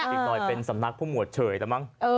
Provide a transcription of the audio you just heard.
อีกหน่อยเป็นสำนักภูมิหัวเฉยนะมั้ง